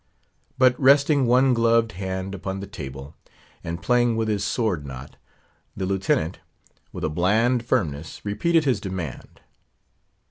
But resting one gloved hand upon the table, and playing with his sword knot, the Lieutenant, with a bland firmness, repeated his demand.